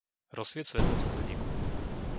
Rozsvieť svetlo v skleníku.